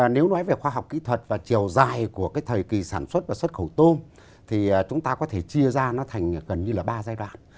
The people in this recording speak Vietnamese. nếu nói về khoa học kỹ thuật và chiều dài của cái thời kỳ sản xuất và xuất khẩu tôm thì chúng ta có thể chia ra nó thành gần như là ba giai đoạn